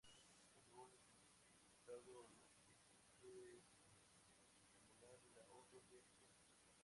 Según el diputado, lo que se quiere es estimular el ahorro en pesos.